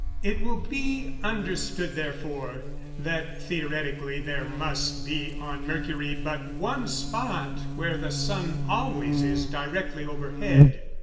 It will be understood, therefore, that, theoretically, there must be on Mercury but one spot where the sun always is directly overhead.